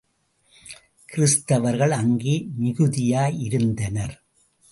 கிறிஸ்துவர்கள் அங்கே மிகுதியாயிருந்தனர்.